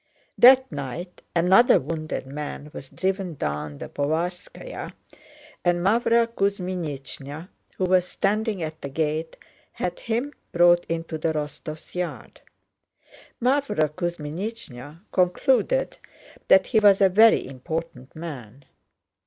That night another wounded man was driven down the Povarskáya, and Mávra Kuzmínichna, who was standing at the gate, had him brought into the Rostóvs' yard. Mávra Kuzmínichna concluded that he was a very important man.